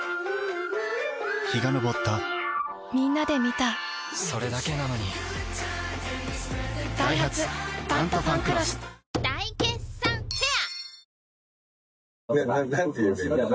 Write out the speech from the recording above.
陽が昇ったみんなで観たそれだけなのにダイハツ「タントファンクロス」大決算フェア